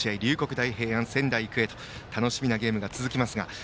大平安と仙台育英という楽しみなゲームが続きますが。